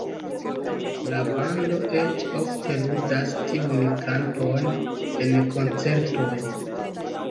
La bando eĉ ofte ludas tiun kanton en koncertoj.